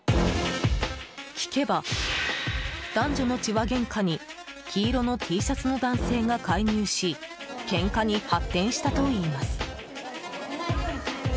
聞けば、男女の痴話げんかに黄色のＴシャツの男性が介入しけんかに発展したといいます。